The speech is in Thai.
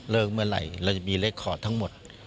เมื่อไหร่เราจะมีเลขคอร์ดทั้งหมด